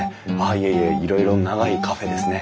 いえいえいろいろ長いカフェですね。